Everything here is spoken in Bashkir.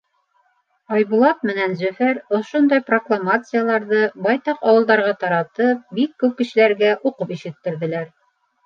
...Айбулат менән Зөфәр ошондай прокламацияларҙы байтаҡ ауылдарға таратып, бик күп кешеләргә уҡып ишеттерҙеләр.